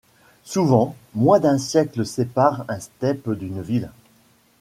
Souvent moins d’un siècle sépare un steppe d’une ville.